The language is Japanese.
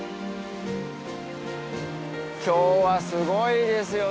今日はすごいいいですよね。